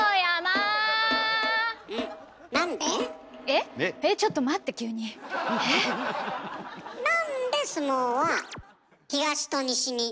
えっちょっと待って急に！